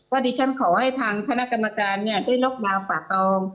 ก็ดิฉันขอให้ทางคณะกรรมการเนี่ยได้ล็อกดาวน์ฝาตอง